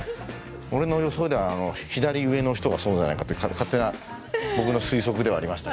俺の予想では左上の人がそうじゃないかという勝手な僕の推測ではありました。